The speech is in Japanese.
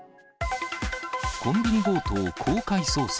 コンビニ強盗公開捜査。